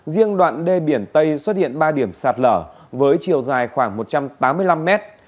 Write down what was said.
riêng đoạn đê biển tây xuất hiện ba điểm sạt lở với chiều dài khoảng một trăm tám mươi năm mét